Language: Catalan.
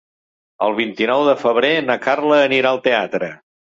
El vint-i-nou de febrer na Carla anirà al teatre.